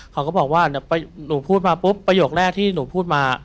เขาก็บอกว่าเดี๋ยวหนูพูดมาปุ๊บประโยคแรกที่หนูพูดมา